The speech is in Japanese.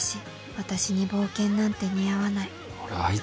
私に冒険なんて似合わない。